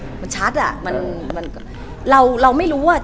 เหมือนนางก็เริ่มรู้แล้วเหมือนนางก็เริ่มรู้แล้ว